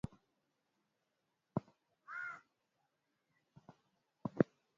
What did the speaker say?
bora za kiutawalaWaluguru wameishi kwenye safu ya Milima ya Uluguru kwa miaka mingi